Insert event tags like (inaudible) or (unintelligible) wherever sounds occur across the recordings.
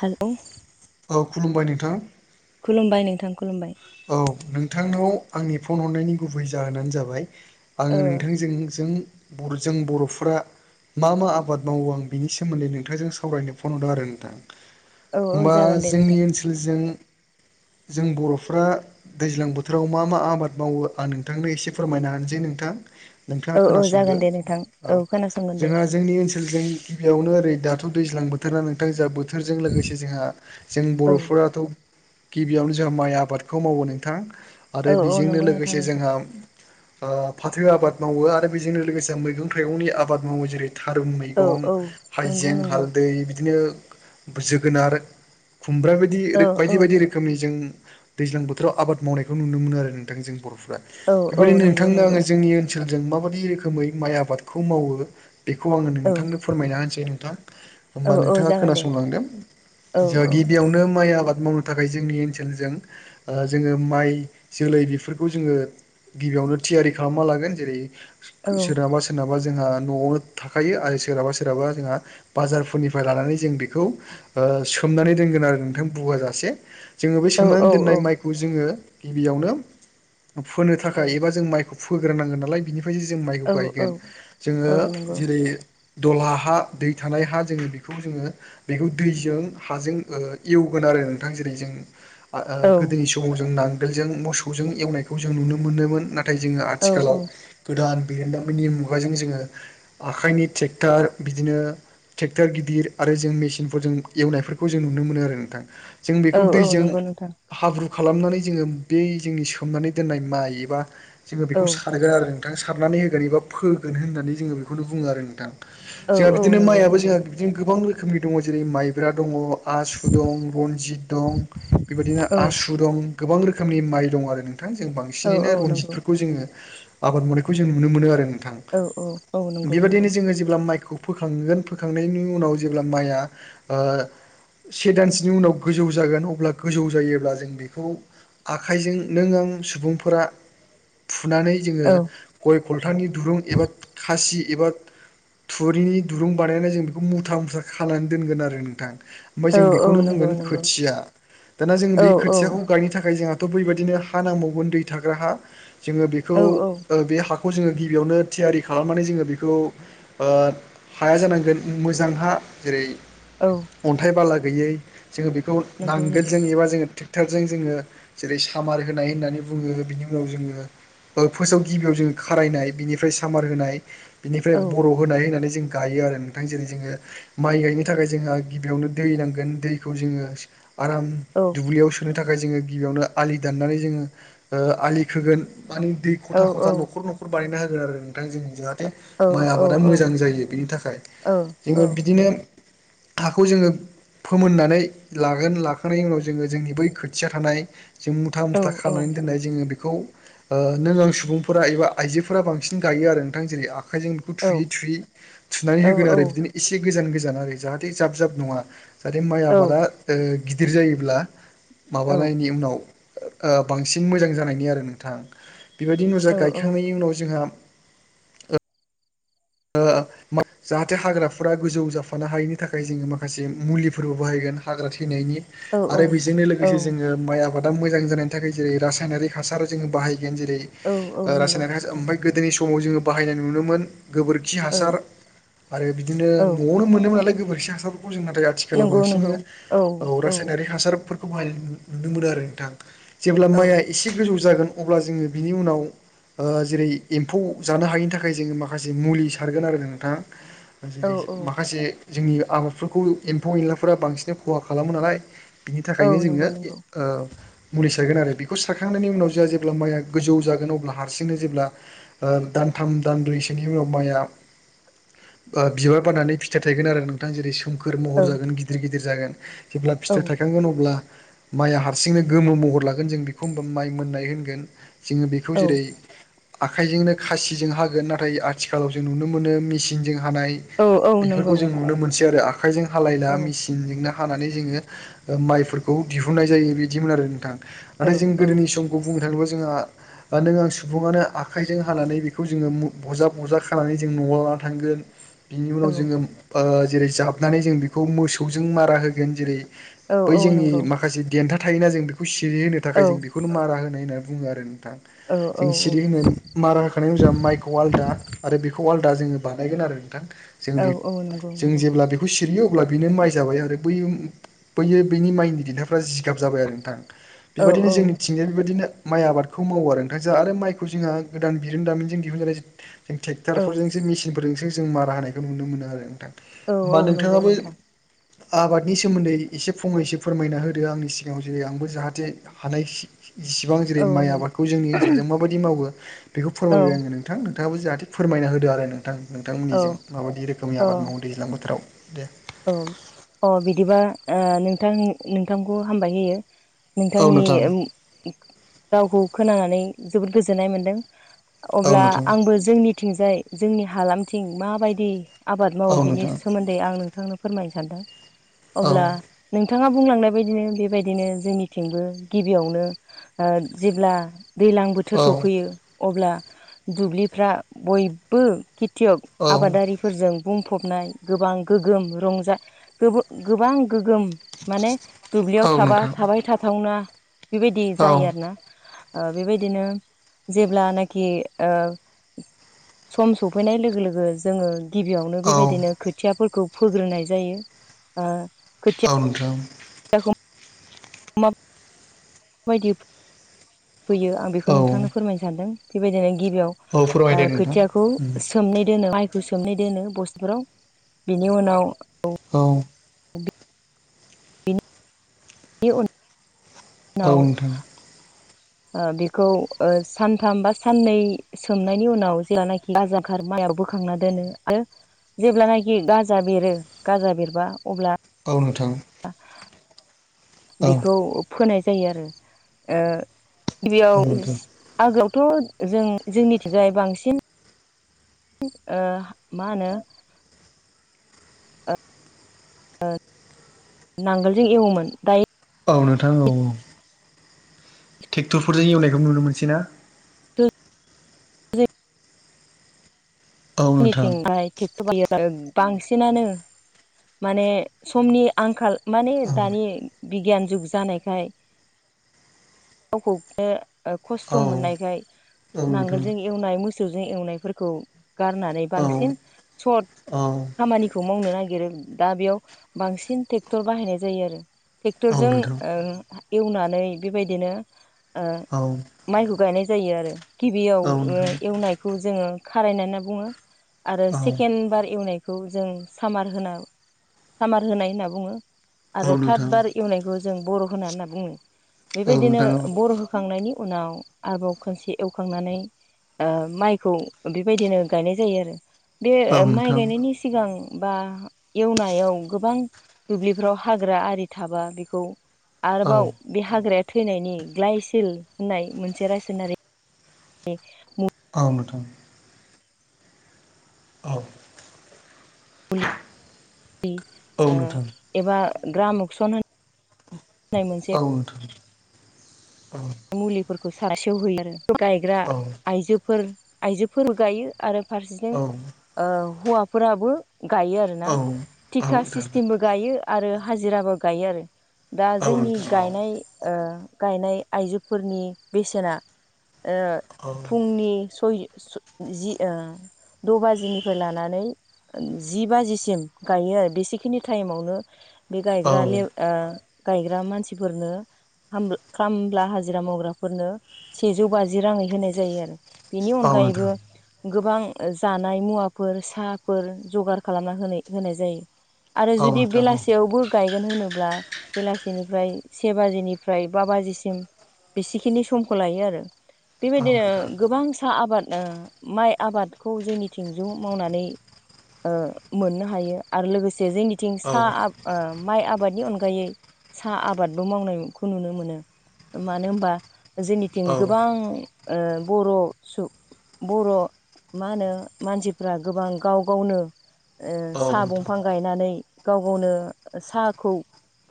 Hello औ खुलुमबाय नोंथां। खुलुमबाय नोंथां खुलुमबाय। औ नोंथांनाव आंनि फन हरनायनि गुबै जाहोनानो जाबाय ओ आङो नोंथांजों जों बर जों बर'फ्रा मा मा आबाद मावो आं बिनि सोमोन्दै नोंथांजों सावरायनो फन हरदों आरो नोंथां। औ औ अखमबा जागोन दे जोंनि नोंथां ओनसोलजों जों बर' बर'फ्रा दैज्लां बोथोराव मा मा आबाद मावो आं नोंथांनो एसे फोरमायनो हानोसै नोंथां। नोंथाङा औ औ खोनासंदो जागोन दे नोंथां औ खोनासंगोन दे जोंहा जोंनि ओनसोलजों गिबियावनो ओरै दाथ' दैज्लां बोथोरा नोंथां जा बो थोरजों लोगोसे जोंहा जों औ बर'फोराथ' गिबियावनो जोंहा माइ आ बादखौ मावो नोंथां आरो औ औ बेजोंनो नंगौ नोंथां लोगोसे नोंथां जोंहा ओ फाथो आबाद मावो आरो बेजोंनो लोगोसे मैगं थाइगंनि आबाद मावो। जेरै थारुन औ मैगं औ नंगौ हाइजें नंगौ हालदै बिदिनो जोगोनार खुमब्रा बायदि औ औ बायदि बायदि रोखोमनि जों दैज्लां बोथोराव आबाद मावनायखौ नुनो मोनो आरो नोंथां जों बर'फोरा औ औ बेबायदिनो नंगौ नोंथांनो नंगौ आङो जोंनि ओनसोलजों माबाददि रोखोमै माइ आबादखौ मावो बेखौ आङो औ नोंथांनो फोरमायना होनोसै नोंथां औ होमबा औ नोंथाङा जागोन दे खोनासंलांदो। औ जों औ गिबियावनो माइ आबाद मावनो थाखाय जोंनि ओनसोलजों जोङो माइ जोलै बेफोरखौ जोङो गिबियावनो थियारि खालामना लागोन जेरै औ सोरनाबा सोरनाबा जोंहा न'आवनो थाखायो आरो सोरहाबा सोरहाबा जोंहा बाजारफोरनिफ्राय लानानै जों बेखौ सोमनानै दोनगोन आरो नोंथां बुगाजासे। जोङो बे औ सोमन औ बेखौ जोङो गिबियावनो फोनो थाखाय औ एबा जों माइखौ फोग्रोनांगोन नालाय बिनिफ्राय जोंङो माइखौ औ औ गायगोन जोङो औ नंगौ जेरै दलहा हा दै थानाय हा जोङो बेखौ जोङो बेखौ दैजों हाजों एवगोन आरो नोंथां जेरै जों औ ओ गोदोनि समाव जों नांगोलजों मोसौजों एवनायखौ जों नुनो मोनोमोन नाथाय। नाथाय जोङो औ आथिखालाव गोदान बिरोंदामिनि मुगाजों जोङो आखाइनि ट्रेक्टार बिदिनो ओ ट्रेक्टर गिदिर आरो जों मेचिनफोर जों एवनायफोरखौ जों नुनो मोनो आरो नोंथां जों औ बेखौ औ दैजों नंगौ नोंथां हाब्रु खालामनानै जोङो बे जोंनि सोमनानै दोननाय माइ एबा जोङो औ बेखौ सारगोन आरो। नोंथां सारनानै होगोन एबा फोगोन होननानै जोङो बेखौनो बुङो आरो नोंथां औ जोंहा औ बिदिनो नंगौ माइआबो नंगौ जोंहा जों गोबां रोखोमनि दङ जेरै माइब्रा दङ आसु दं रनजित दं। बेबादिनो औ आसु दं गोबां रोखोमनि माइ दं आरो नोंथां जों बांसिन औ बांसिनैनो औ नंगौ रनजितफोरखौ जोङो आबाद मावनायखौ जों नुनो मोनो आरो। थां औ औ औ नंगौ नंगौ बेबादिनो जोङो जेब्ला माइखौ फोखांगोन फोखांनायनि उनाव जेब्ला माइआ ओ से दानसोनि उनाव गोजौ जागोन अब्ला गोजौ जायोब्ला जों बेखौ आखाइजों नों आं सुबुंफोरा फुनानै जोङो औ गय फलथनि दुरुं एबा खासि एबा। थुरिनि दुरुं बानायनानै जों बेखौ मुथा मुस्रा खालामनानै दोनगोन आरो नोंथां। ओमफ्राय औ जों औ बेखौनो नंगौ बुंगोन नंगौ खोथिया। दाना जों बे औ खोथियाखौ औ गायनो थाखाय जोंहाथ' बैबायाददिनो हा नांबावगोन दै थाग्रा हा जोङो बेखौ औ औ ओ बे हाखौ जोङो गिबियावनो थियारि खालामनानै जोङो बेखौ ओ हाया जानांगोन मोजांहा जेरै औ। अन्थाइ बाला गैयै जोङो बेखौ नंगौ नंगौ नांगोलजों एबा जोङो ट्रेक्टरजों जोङो जेरै सामार होनाय होननानै बुङो बिनि उनाव जोङो। फार्स्टआव गिबियाव जोङो खारायनाय बिनिफ्राय सामार होनाय बिनिफ्राय औ होनाय होनानै जों गायो आरो नोंथां जेरै जोङो माइ गायनो थाखाय जोंहा गिबियावनो दै नांगोन दैखौ जोङो ओ आराम औ दुब्लियावसो खोनो थाखाय जोङो गिबियावनो आलि दाननानै जोङो आलि खोगोन मानि दै औ खथा औ खथा नखर नखर बानायना होगोन आरो नोंथां जों जरहा औ माइ औ आबादा मोजां जायो बिनि थाखाय औ जोङो बिदिनो हाखौ जोङो फोमोननानै लागोन। थाखाखांनायनि उनाव जोङो जोंनि बै खोथिया थानाय जों मुथा औ मुथा खालामनानै दोननाय जोङो। औ‌ बेखौ नों आं सुबुंफोरा एबा आइजोफोरा बांसिन गायो आरो नोंथां जेरै आखाइजों बेखौ औ थुयै थुयै थुनानै औ होगोन आरो बिदिनो एसे गोजान गोजान आरो जाहाथे जाब जाब नङा ओ जाहाथे माइ आबादा गिदिर जायोब्ला माबानायनि उनाव ओ बांसिन मोजां जानायनि आरो नोंथां बेबायदि नुजा गायखांनायनि उनाव जोंहा ओ जाहाथे हाग्राफोरा गोजौ जाफानो हायिनि थाखाय जोङो माखासे मुलिफोरबो बाहायगोन हाग्रा थैनायनि आरो बेजोंनो लोगोसे जोङो माइ आबादा मोजां जानायनि थाखाय जेरै रासायनारिक हासार जोङो बाहायगोन जेरै औ नंगौ रासायनारि नोंथां ओमफ्राय गोदोनि समाव जोङो बाहायनाय नुनो मोनोमोन खि औ हासार आरो बिदिनो औ न'आवनो मोनोमोन नालाय गोबोरखि हासारफोरखौ जों नाथाय। आथिखालाव बांसिन औ रासायनारि हासार खौहाय नुनो मोनो आरो नोंथां जेब्ला औ माइआ एसे गोजौ जागोन। अब्ला जोङो बिनि उनाव ओ जेरै एम्फौ जानो हायिनि थाखाय जोङो माखा से मुलि सारगोन आरो नोंथाङा औ जेरै माखासे जोंनि आबादफोरखौ एम्फौ एनलाफोरा बांसिन खहा खालामो नालाय बिनि औ थाखायनो नंगौ जोङो नंगौ ओ मुलि सारगोन आरो बेखौ सारखांनायनि उनाव जोंहा जेब्ला माइया गोजौ जागोन अब्ला हारसिंनो जेब्ला ओ दानथाम दानब्रैसो बिनि उनाव माइया बिबार बारनानै फिथाइ थायगोन आरो नों थां जेरै सोमखोर महर औ जागोन गिदिर गिदिर जागोन जेब्ला औ फिथाइ थायखांगोन अब्ला माइआ हारसिंनो गोमो महर लागोन जों बेखौ होनोमबा माइ मोननाय होनगोन जोङो बेखौ औ जेरै आखाइजोंनो खासिजों हागोन ना थाय आथिखालाव जों नुनो मोनो मेसिनजों हानाय औ औ बेफोरखौ नंगौ जों नुनो मोनसै आरो आ खायजों हालाया औ मेसिन जोंनो हानानै जोङो माइफोरखौ दिहुननाय जायो बिदिमोन आरो नोंथां औ नाथाय जों गोदोनि समखौ बुंनो थाङोब्ला जोंहा नों आं सुबुङानो आखाइजों हानानै बेखौ जोङो मु बजा बजा खानानै जों न'आव लानानै थांगोन बिनि उनाव जोङो ओ जेरै जाबनानै जों बेखौ मोसौजों मारा होगोन जेरै औ बै औ जोंनि नंगौ माखासे देन्था थायोना जों बेखौ सिरिहोनो थाखाय औ जों बेखौनो मारा होनाय होनना बुङो आरो नों थां औ जों औ सिरि होनो नंगौ मारा होखानाय माइ खौ आलादा आरो बेखौ आलदा जोङो बानायगोन आरो नोंथां जों औ बे औ नंगौ जों नंगौ जेब्ला बे सिरियो अब्ला बेनो माइ जाबाय आरो बै बैयो बैनि माइनि देन्था फ्रा जिगाब जाबाय आरो नोंथां औ बेबायदिनो जोंनि थिंजाय बेबायदिनो माइ आबादखौ मावो आरो नोंथां जोंहा आरो माइखौ जोंहा गोदान बिरोंदामिनजों दिहुनजानाय जों औ ट्रेक्टरफोरजोंसो मेसिनफोरजोंसो जों मारा होनायखौ नुनो मोनो आरो नोंथां औ होमबा नंगौ नोंथाङाबो नोंथां आबादनि सोमोन्दै एसे फंनैसो फोरमायना होदो आंनि सिगाङाव जे आंबो जाहाथे हानाय जिसिबां जेरै औ माइ नंगौ आबादखौ जोंनि ओनसोलजों माबादि मावो बेखौ औ फोरमायबाय आङो नों थां नोंथाङाबो जाहाथे फोरमाय होदो आरो नोंथां औ नोंथांमोननिजों माबायदि रोखोमनि औ आबाद मावो दैज्लां बोथोराव दे औ अ बिदिबा ओ नोंथां नोंथांखौ हामबाय होयो औ नोंथांनि नोंथां रावखौ खोनानानै जोबोद गोजोननाय मोनदों औ अब्ला नोंथां आंबो जोंनिथिंजाय जोंनि हालामथिं माबायदि आबाद मावो औ बिनि नोंथां सोमोन्दै आं नोंथांनो फोरमायनो सानदों औ अब्ला नोंथाङा बुंलांनाय बायदिनो बेबायदिनो जोंनिथिंबो गिबियावनो जेब्ला दैज्लां बो बोथोर औ सफैयो अब्ला दुब्लिफ्रा बयबो खेथियग (unintelligible) औ आबादारि फोरजों बुंफबनाय गोबां गोग्गोम रंजा गोबो गोबां गोग्गोम माने दुब्लियाव औ थाबा नोंथां थाबाय थाथावना बेबायदि औ जायो आरोना ओ बेबायदिनो जेब्लानाखि ओ सम सफैनाय लोगो लोगो जोङो गिबियावनो औ बेबायदिनो खोथियाफोरखौ फोग्रोनाय जायो ओ औ नोंथां मा बायदि फोयो आं बेखौ औ नोंथांनो फोरमायनो सानदों बेबायदिनो औ गिबियाव ओ फोरमायदो नोंथां खोथियाखौ सोमनानै दोनो माइ फोर सोमै दोनो बस्थुफोराव बिनि उनाव (unintelligible) औ नि उन (unintelligible) औ नोंथां ओ बेखौ ओ सानथाम बा साननै सोमनायनि उनाव जेलानाखि बाजांखार माइआव बोखांना दोनो आरो (unintelligible) जेब्लानाखि गाजा बेरो गाजा बेरब्ला अब्ला औ नोंथां औ बेखौ फोनाय जायो आरो ओ औ गिबियाव नोंथां आगोलावथ जों जोंनिथिंजाय बांसिन ओ मा होनो ओ नांगोलजों एवोमोन दायो औ नोंथां औ औ ट्रेक्टरफोरजों एवनायखौ नुनो मोनसै ना औ नोंथां जोंनिथिंहाय ट्रेक्टर बायो बांसिनानो माने समनि आंखाल माने औ दानि बिगियान जुग जानायखाय गावखौनो ओ खस्थ औ मोननायखाय औ नोंथां नांगोलजों एवनाय मोसौजों एवनायफोरखौ गारना नै औ बांसिन सर्त औ खामानि खौ मावनो नागिरो दा बेयाव बांसिन ट्रेक्टर बाहायनाय जायो आरो औ ट्रेक्टरजों नोंथां ओ एवनानै बेबायदिनो ओ औ माइखौ गायनाय जायो आरो गिबियाव औ नोंथां एवनायखौ जोङो खारायनाय होनना बुङो आरो औ सेकेणड बार एवनाय खौ जों सामार होना सामार होनाय होनना बुङो औ आरो थाथ नोंथां बार एवनायखौ जों बर होनना होननै बुङो औ बेबायदिनो नोंथां औ बर एवखांनायनि उनाव आरोबाव खोनसे एवखांनानै ओ माइखौ बेबायदिनो गायनाय जायो आरो बे औ माइ नोंथां गायनायनि सिगां बा एवनायाव गोबां दुब्लिफ्राव हाग्रा आरि थाबा बेखौ औ आरोबाव बे हाग्राया थैनायनि ग्लायसेल होननाय मोनसे रासायनारि नि मु औ नोंथां। औ लि औ नोंथां औ नोंथां औ एबा ग्रामकसन होननाय मोनसे औ नोंथां औ मुलिफोरखौ सासेयाव होयो आरो गायग्रा आइजोफोर आइजोफोरबो गायो आरो फारसेथि औ ओ हौवाफोराबो गायो आरोना थिखा नोंथां सिस्टेमबो गायो आरो हाजिराबो गायो आरो दा औ जोंनि नोंथां औ गायनाय ओ गायनाय आइजोफोरनि बेसेना औ फुंनि ओ सय जि ओ द बाजिनिफ्राय लानानै जि बाजिसिम गायो आरो बेसेखिनि टाइमावनो बे औ गायग्रा ले ओ गायग्रा मानसिफोरनो हाम खाम ब्ला हाजिरा मावग्राफोरनो सेजौ बाजि राङै होनाय जायो आरो बेनि औ नोंथां अनगायैबो गोबां जानाय मुवाफोर साहाफोर जगार खालामना होनाय होनाय जायो। आरो औ जुदि नोंथां औ बेलासेयावबो गायगोन होनोब्ला बेलासेनिफ्राय से बाजिनिफ्राय बा बाजिसिम बेसेखिनि समखौ लायो आरो औ बेबायदिनो नोंथां गोबांसा आबाद ओ माइ आबादखौ जोंनि थिंजौ मावनानै मोननो हायो आरो लोगोसे जोंनि थिं औ साहा आ ओ माइ आबादनि अनगायै साहा आबादबो मावनायखौ नुनो मोनो। मानो होमबा जोंनिथिं औ गोबां ओ बर' सु बर' मा होनो मानसिफ्रा गोबां गाव गावनो ओ औ साह नोंथां बंफां गायनानै गाव गावनो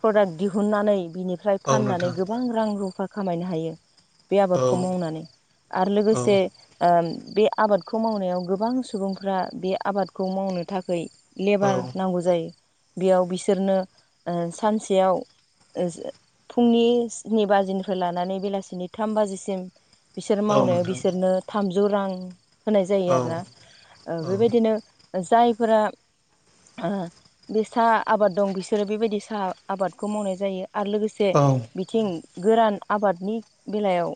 प्रदाक दिहुननानै बि निफ्राय औ फाननानै नोंथां गोबां रां रुफा खामायनो हायो। बे औ आबादखौ मावनानै आरो औ लोगोसे ओ बे आबादखौ मावनायाव गोबां सुबुंफ्रा बे आबादखौ मावनो थाखै लेबार औ नांगौ जायो। बेयाव बिसोरनो ओ सानसेयाव फुंनि स्नि बाजि निफ्राय लानानै बेलासिनि थाम बाजिसिम बिसोर औ मावनायाव नोंथां बिसोरनो थामजौ रां होनाय जायो औ आरोना औ बेबायदिनो जायफोरा ओ बे साहा आबाद दं बिसोरो बेबायदि साहा आबादखौ मावनाय जायो आरो लोगोसे से औ नोंथां औ नोंथां औ बिथिं गोरान आबादनि बेलायाव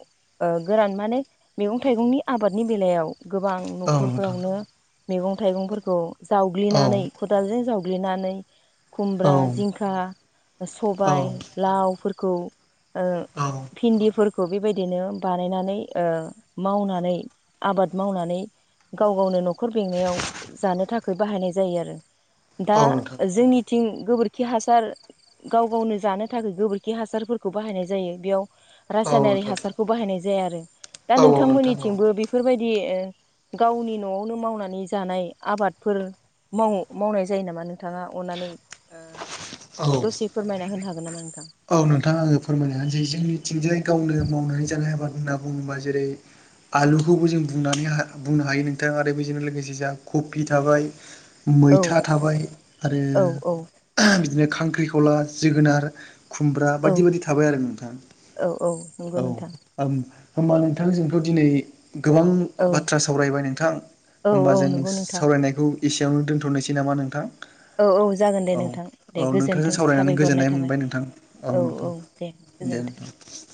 गोरान माने मैगं थाइगंनि आबादनि बेलायाव। गोबां नोंथां औ नोंथां न'खरफोरावनो मैगं थाइगंफोरखौ औ जावग्लिनानै खदालजों जावग्लिनानै खुमब्रा औ जिंखा औ सबाय नोंथां लावफोरखौ ओ भिन्दिफोरखौ बेबायदिनो बानायनानै ओ मावनानै आबाद मावनानै गाव गावनो न'खर बेंनायाव जानो थाखाय बाहायनाय जायो आरो। दा जोंनिथिं गोबोरखि हासार गाव गावनो जानो थाखाय गोबोरखि हासारफोरखौ बाहायनाय जायो बेयाव रासायनारि हासारखौ बाहायनाय जाया आरो दा नोंथांमोननिथिंबो बेफोरबायदि ओ गावनि न'आवनो मावनानै जानाय आबादफोर माव मावनाय जायो नामा नोंथाङा अननानै ओ दसे फोरमायना होनो हागोन नामा नोंथां? औ नोंथाङा आङो फोरमायनो हानोसै जोंनिथिंजायै गावनो मावनानै जानाय आबाद होनना बुङोबा जेरै आलुखौबो जों बुंनानै बुंनो हायो नोंथां आरो बेजोंनो लोगोसे जों कफि थाबाय। औ मैथा थाबाय आरो औ औ बिदिनो खांख्रिखला जोगोनार खुमब्रा औ बायदि बायदि थाबाय आरो नोंथां औ औ नंगौ औ नोंथां होनोमबा नोंथां जोंखौ दिनै गोबां औ बाथ्रा सावरायबाय नोंथां औ होमबा औ जों नंगौ नोंथां सावरायनायखौ एसेयावनो दोनथ'नोसै नामा नोंथां? औ औ जागोन दे औ नोंथां दे औ नोंथांजों गोजोन्थों सावरायनानै साबायखर हरनाय गोजोननाय थाबाय मोनबाय नोंथां। औ नोंथां दे नोंथां।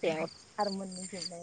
बे आरो मोननै (unintelligible)